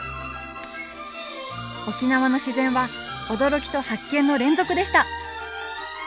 沖縄の自然は驚きと発見の連続でした！